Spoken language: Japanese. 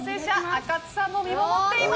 あかつさんも見守っています。